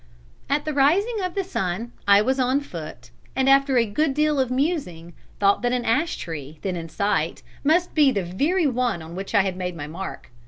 "'At the rising of the sun I was on foot, and after a good deal of musing thought that an ash tree, then in sight, must be the very one on which I had made my mark.